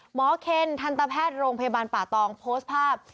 เคนทันตแพทย์โรงพยาบาลป่าตองโพสต์ภาพ